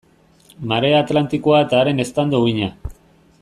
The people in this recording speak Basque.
Marea Atlantikoa eta haren eztanda-uhina.